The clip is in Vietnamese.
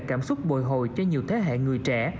cảm xúc bồi hồi cho nhiều thế hệ người trẻ